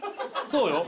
そうよ。